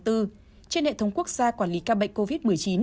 trên hệ thống quốc gia quản lý ca bệnh covid một mươi chín